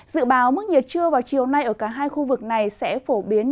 dự báo mức nhiệt trưa vào chiều nay ở cả hai khu vực này sẽ phổ biến